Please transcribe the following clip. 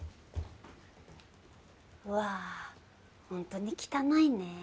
わぁホントに汚いね。